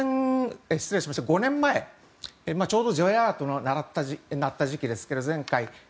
５年前、ちょうどＪアラートの鳴った時期ですが、前回。